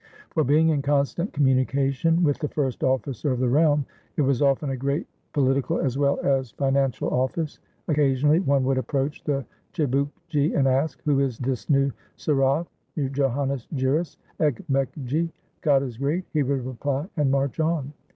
For, being in constant communication with the first officer of the realm, it was often a great political as well as 561 TURKEY financial office. Occasionally, one would approach the chibukgi, and ask, "Who is this new sarqff?" "Joannes Giras, Ekmekgi !"" God is great! " he would reply, and march on.